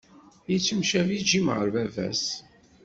Yettemcabi Jim ɣer baba-s.